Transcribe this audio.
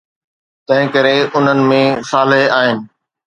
تنهن ڪري، انهن ۾ صالح آهن